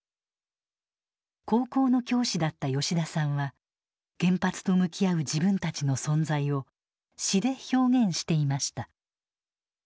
高校の教師だった吉田さんは原発と向き合う自分たちの存在を詩で表現していました。